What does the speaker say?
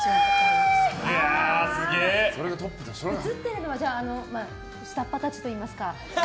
映ってるのは、じゃあ下っ端たちといいますか。